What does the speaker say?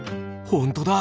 ほんとだ。